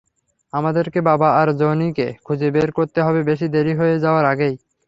আমাদেরকে বাবা আর জনিকে খুঁজে বের করতে হবে বেশি দেরি হয়ে যাওয়ার আগেই।